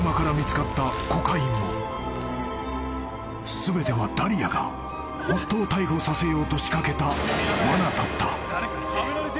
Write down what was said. ［全てはダリアが夫を逮捕させようと仕掛けたわなだった］